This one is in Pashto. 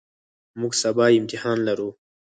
موږ سبا امتحان لرو.